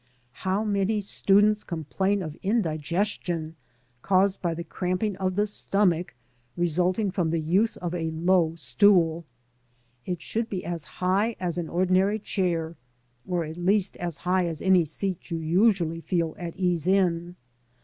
How many students complain of indigestion, caused by the cramping of the stomach resulting from the use of a low stool I It should be as high as an ordinary chair, or at least as high as any seat you usually feel at ease in.